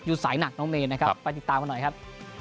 สายหนักน้องเมย์นะครับไปติดตามกันหน่อยครับ